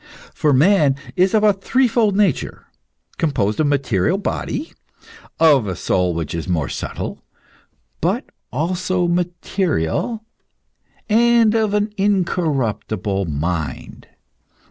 For man is of a threefold nature, composed of material body, of a soul which is more subtle, but also material, and of an incorruptible mind.